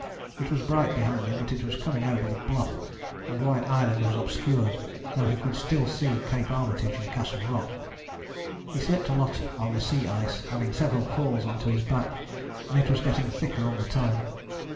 It was bright behind him but it was coming over the Bluff, and White Island was obscured though he could still see Cape Armitage and Castle Rock. He slipped a lot on the sea ice, having several falls on to his back and it was getting thicker all the time.